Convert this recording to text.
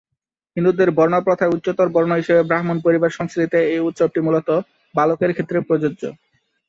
হিন্দুদের বর্ণপ্রথায় উচ্চতর বর্ণ হিসেবে ব্রাহ্মণ পরিবারের সংস্কৃতিতে এ উৎসবটি মূলতঃ বালকের ক্ষেত্রে প্রযোজ্য।